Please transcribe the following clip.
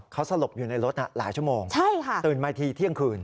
เขาสลบอยู่ในรถหลายชั่วโมงตื่นมาอีกทีเที่ยงคืน